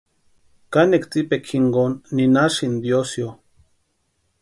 Kanekwa tsipekwa jinkoni ninhasïnti tiosïo.